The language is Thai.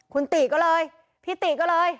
คุณติก็เลยพี่ติก็เลย